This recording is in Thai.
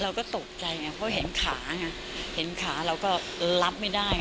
เราก็ตกใจไงเพราะเห็นขาไงเห็นขาเราก็รับไม่ได้